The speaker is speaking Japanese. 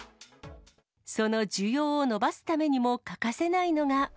その需要を伸ばすためにも欠かせないのが。